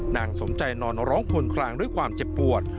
นางสมใจนอนร้องพลคลางด้วยความเจ็บปวด